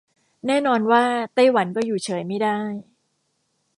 แน่นอนว่าไต้หวันก็อยู่เฉยไม่ได้